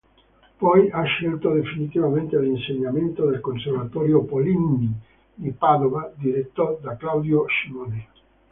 Poi ha scelto definitivamente l'insegnamento nel Conservatorio "Pollini" di Padova diretto da Claudio Scimone.